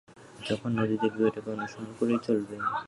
যখন নদী দেখবে ওটাকে অনুসরন করেই চলবে।